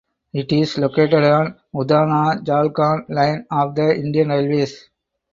It is located on Udhna–Jalgaon line of the Indian Railways.